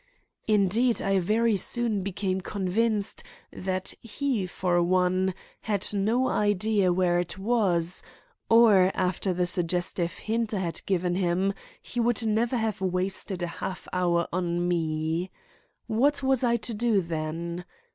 Indeed, I very soon became convinced that he, for one, had no idea where it was, or after the suggestive hint I had given him he would never have wasted a half hour on me. What was I to do then?